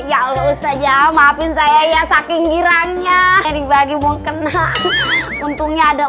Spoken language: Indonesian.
ya allah ustazah maafin saya ya saking girangnya jadi bagi mungkena untungnya ada